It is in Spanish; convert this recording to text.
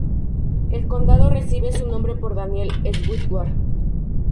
El condado recibe su nombre por Daniel Stewart.